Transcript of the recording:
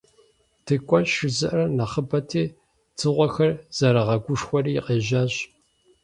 «ДыкӀуэнщ» жызыӀэр нэхъыбэти, дзыгъуэхэр зэрыгъэгушхуэри къежьащ.